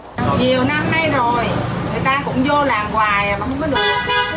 nhiều năm nay rồi người ta cũng vô làm hoài mà không có được